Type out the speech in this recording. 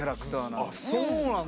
あそうなんだ。